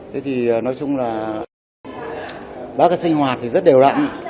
thế thì nói chung là bác sinh hoạt rất đều đặn